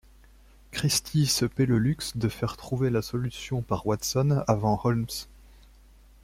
Christie se paie le luxe de faire trouver la solution par Watson avant Holmes.